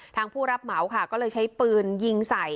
ผู้รับเหมาค่ะก็เลยใช้ปืนยิงใส่